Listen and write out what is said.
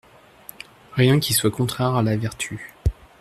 Rien qui soit contraire à la vertu.